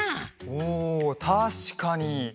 おたしかに！